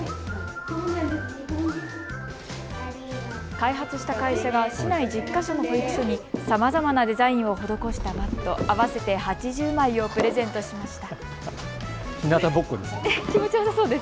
開発した会社が市内１０か所の保育所にさまざまなデザインを施したマット合わせて８０枚をプレゼントしました。